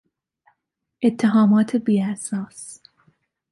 اتهامات بی اساس